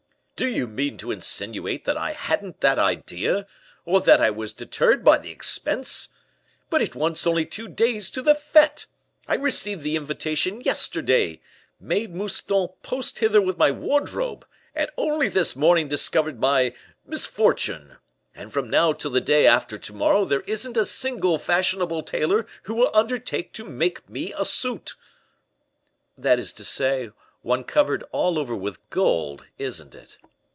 "Do you mean to insinuate that I hadn't that idea, or that I was deterred by the expense? But it wants only two days to the fete; I received the invitation yesterday; made Mouston post hither with my wardrobe, and only this morning discovered my misfortune; and from now till the day after to morrow, there isn't a single fashionable tailor who will undertake to make me a suit." "That is to say, one covered all over with gold, isn't it?"